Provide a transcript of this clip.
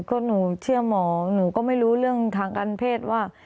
ก็หนูเชื่อหมอหนูก็ไม่รู้เรื่องทางการเพศว่า